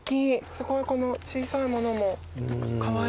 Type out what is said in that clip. すごいこの小さいものもかわいらしい。